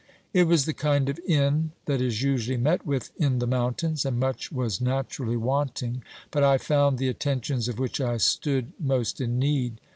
It was the kind of inn that is usually met with in the mountains, and much was naturally wanting, but I found the attentions of which I stood most in need.